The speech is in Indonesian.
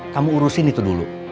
kamu urusin itu dulu